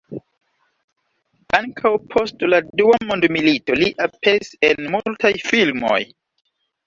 Ankaŭ post la Dua mondmilito li aperis en multaj filmoj.